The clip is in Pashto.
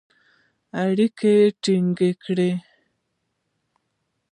اړیکي یې ټینګ کړل.